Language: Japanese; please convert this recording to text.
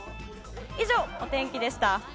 以上、お天気でした。